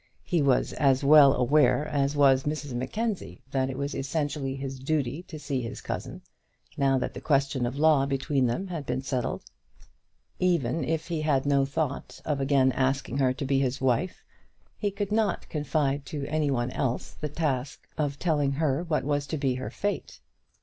He was as well aware as was Mrs Mackenzie that it was essentially his duty to see his cousin, now that the question of law between them had been settled. Even if he had no thought of again asking her to be his wife, he could not confide to any one else the task of telling her what was to be her fate.